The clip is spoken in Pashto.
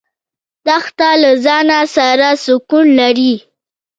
دښته له ځانه سره سکون لري.